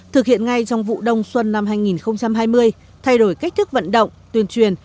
thực hiện ngay trong vụ đông xuân năm hai nghìn hai mươi thay đổi cách thức vận động tuyên truyền